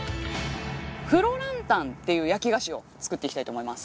フロランタンっていう焼き菓子を作っていきたいと思います。